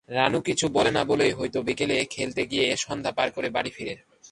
রানু কিছু বলে না বলেই হয়তো বিকেলে খেলতে গিয়ে সন্ধ্যা পার করে বাড়ি ফেরে।